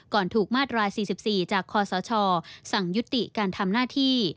ก่อนถูกมาตรราย๔๔จากคศสั่งยุติการทำหน้าที่